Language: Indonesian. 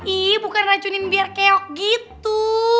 ih bukan racunin biar keok gitu